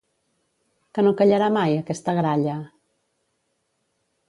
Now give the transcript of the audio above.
Que no callarà mai, aquesta gralla?